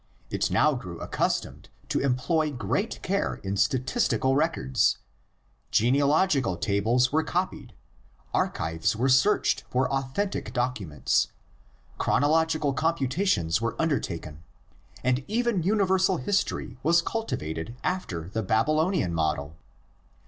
It now grew accustomed to employ great care in statistical records: genealogical tables were copied, archives were searched for authentic documents, chronological computations were undertaken, and even universal history was cultivated after the Babylonian model.